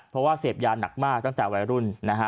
เพราะว่าเสพยาหนักมากตั้งแต่วัยรุ่นนะฮะ